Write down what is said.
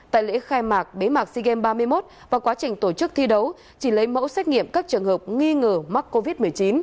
tại lễ khai mạc bế mạc sea games ba mươi một và quá trình tổ chức thi đấu chỉ lấy mẫu xét nghiệm các trường hợp nghi ngờ mắc covid một mươi chín